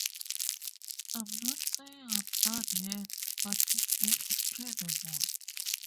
I'm not saying I'm done yet, but it's been incredible.